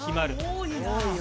多いな。